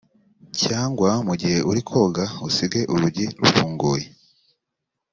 cyangwa mu gihe uri koga usige urugi rufunguye